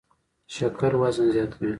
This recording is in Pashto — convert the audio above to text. شکر وزن زیاتوي